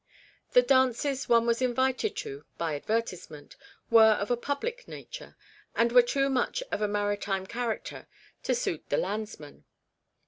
The dances one was invited to (by advertisement) were of a public nature, and were too much of a maritime character to suit the landsman.